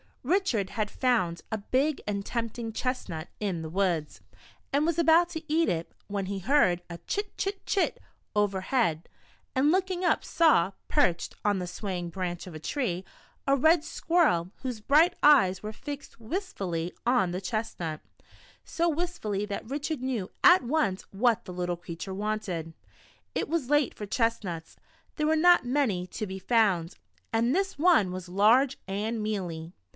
RICHARD had found a big and tempting chestnut in the woods, and was about to eat it, when he heard a *' chit, chit, chit," over head, and looking up saw, perched on the swaying branch of a tree, a red squirrel, whose bright eyes were fixed wistfully on the chestnut ; so wistfully that Richard knew at once what the little creature wanted. It was late for chestnuts, there were not many to be found, and this one was large and mealy.